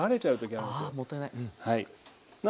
あもったいない。